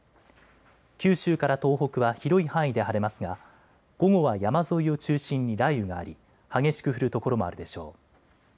九州から東北は広い範囲で晴れますが午後は山沿いを中心に雷雨があり激しく降る所もあるでしょう。